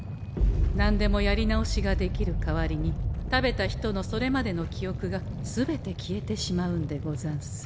何でもやり直しができる代わりに食べた人のそれまでのきおくが全て消えてしまうんでござんす。